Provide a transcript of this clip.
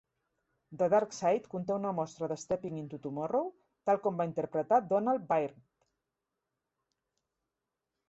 "The darkside" conté una mostra de "Steppin' into tomorrow" tal com la va interpretar Donald Byrd.